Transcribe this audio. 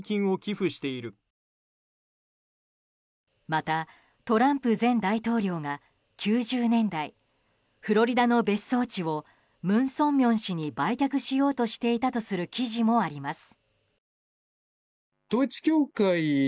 また、トランプ前大統領が９０年代フロリダの別荘地を文鮮明氏に売却しようとしていたとする記事もあります。